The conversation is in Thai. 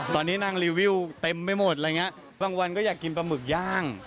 ตอนนี้นางรีวิวเต็มไปหมดบางวันก็อยากกินปลาหมึกย่าง